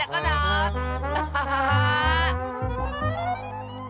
アハハハー！